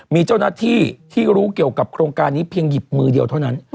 มีเจ้าหน้าที่ที่รู้เกี่ยวกับโครงการนี้เพียงหยิบมือเดียวเท่านั้น